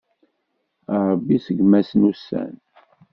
A Ṛebbi seggem-as ussan.